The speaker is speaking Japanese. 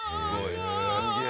すげえ。